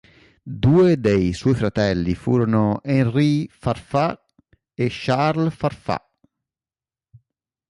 Due dei suoi fratelli furono Henry Fairfax e Charles Fairfax.